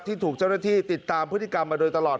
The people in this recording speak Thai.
ถูกเจ้าหน้าที่ติดตามพฤติกรรมมาโดยตลอด